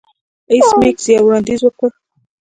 ایس میکس یو وړاندیز وکړ